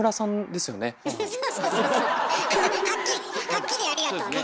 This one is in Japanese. はっきりありがとうね。